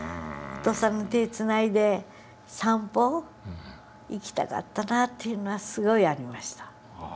「お父さんの手つないで散歩行きたかったな」っていうのはすごいありました。